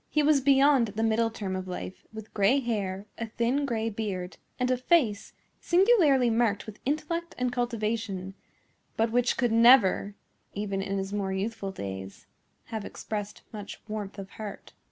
He was beyond the middle term of life, with gray hair, a thin, gray beard, and a face singularly marked with intellect and cultivation, but which could never, even in his more youthful days, have expressed much warmth of heart.